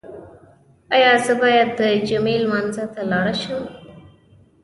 ایا زه باید د جمعې لمانځه ته لاړ شم؟